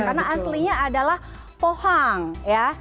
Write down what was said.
karena aslinya adalah pohang ya